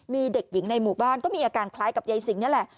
มีเด็กหญิงในหมู่บ้านก็มีอาการคล้ายกับยายสิงนี่แหละ